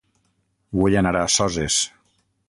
Vull anar a Soses